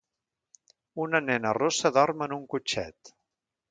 una nena rossa dorm en un cotxet.